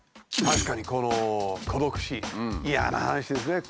確かにこの孤独死嫌な話ですね。